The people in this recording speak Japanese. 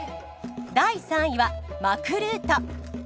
第３位はマクルート。